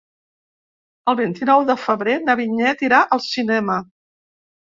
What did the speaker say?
El vint-i-nou de febrer na Vinyet irà al cinema.